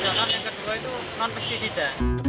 sedangkan yang kedua itu non pesticida